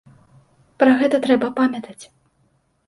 Пра гэта трэба памятаць.